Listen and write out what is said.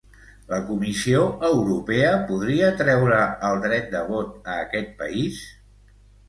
La Comissió Europea podria treure el dret de vot a aquest país?